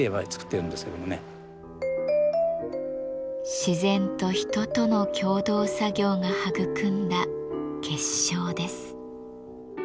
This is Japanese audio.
自然と人との共同作業が育んだ結晶です。